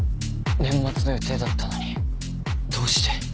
年末の予定だったのにどうして。